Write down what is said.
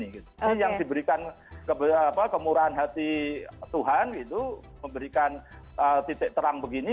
itu yang diberikan kemurahan hati tuhan gitu memberikan titik terang begini